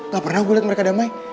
ga pernah gua liat mereka damai